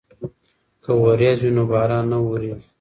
که وریځ وي نو باران نه وریږي.